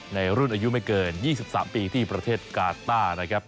ในรุ่นอายุไม่เกิน๒๓ปีที่ประเทศกาต้านะครับ